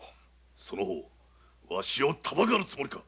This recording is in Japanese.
その方ワシをたばかるつもりか？